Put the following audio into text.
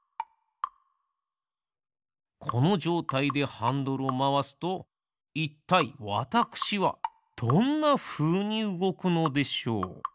このじょうたいでハンドルをまわすといったいわたくしはどんなふうにうごくのでしょう？